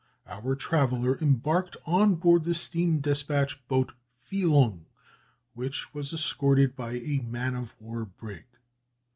Our traveller embarked on board the steam despatch boat Fi lung, which was escorted by a man of war brig.